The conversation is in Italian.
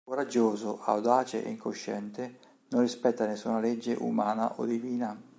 Coraggioso, audace e incosciente, non rispetta nessuna legge umana o divina.